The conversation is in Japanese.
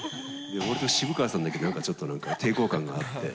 俺と渋川さんだけなんかちょっと抵抗感があって。